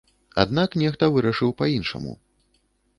Аднак нехта вырашыў па-іншаму.